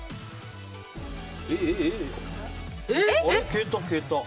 消えた、消えた。